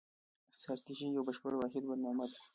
ستراتیژي یوه بشپړه واحده برنامه ده.